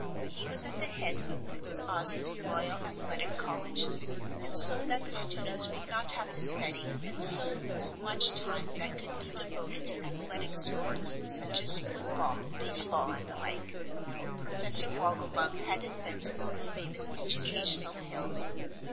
He was at the head of Princess Ozma's Royal Athletic College, and so that the students would not have to study and so lose much time that could be devoted to athletic sports, such as football, baseball and the like, Professor Wogglebug had invented the famous Educational Pills.